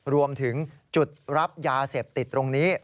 รวมถึงจุดรับยาเสพติดตรงนี้